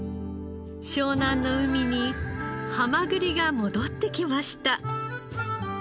湘南の海にハマグリが戻ってきました。